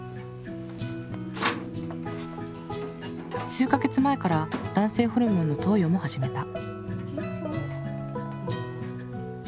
数か月前から男性ホルモンの投与も始めた。